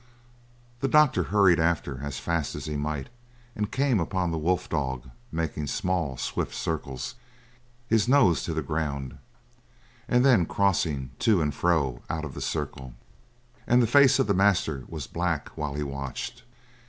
The doctor hurried after as fast as he might and came upon the wolf dog making small, swift circles, his nose to the ground, and then crossing to and fro out of the circles. And the face of the master was black while he watched.